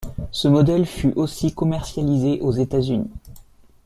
Ce modèle fut aussi commercialisé aux États-Unis.